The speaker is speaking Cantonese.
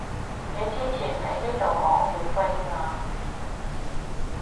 你之前喺呢度講要飛嘛